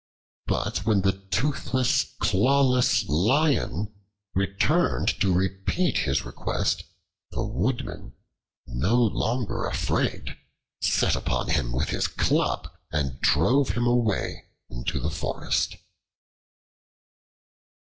But when the toothless, clawless Lion returned to repeat his request, the Woodman, no longer afraid, set upon him with his club, and drove him away into the forest.